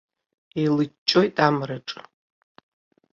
Еилҷҷоит амраҿы.